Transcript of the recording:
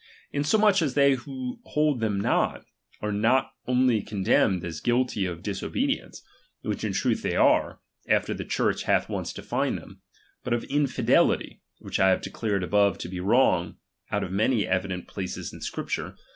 Insomuch as they ed about reii who hold them not, are not only condemned as ^'*°'''• guilty of disobedience ; which in truth they are, after the Church hath once defined them ; but of infidelity : which I have declared above to be wrong, out of many evident places of Scripture.